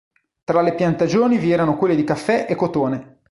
Tra le piantagioni vi erano quelle di caffè e cotone.